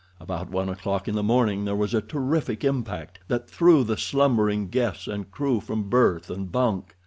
About one o'clock in the morning there was a terrific impact that threw the slumbering guests and crew from berth and bunk.